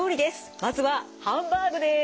まずはハンバーグです。